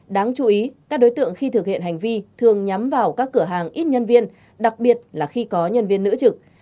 đáng chú ý các đối tượng khi thực hiện hành vi thường nhắm vào các cửa hàng ít nhân viên đặc biệt là khi có nhân viên nữ trực